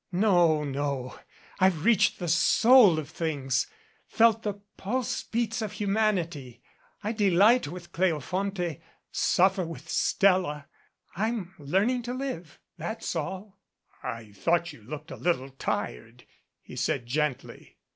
"No, no. I've reached the soul of things felt the pulse beats of humanity. I delight with Cleofonte, suf fer with Stella. I'm learning to live, that's all." "I thought you looked a little tired," he said gently.